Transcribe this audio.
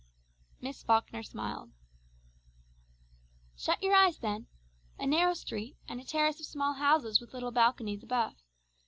Miss Falkner smiled. "Shut your eyes then. A narrow street, and a terrace of small houses with little balconies above.